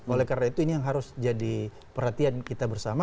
oleh karena itu ini yang harus jadi perhatian kita bersama